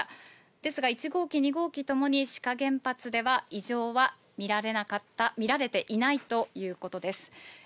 ですが、１号機、２号機ともに志賀原発では、異常は見られていないということです。